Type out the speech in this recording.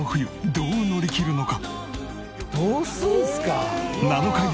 どう乗り切るのか？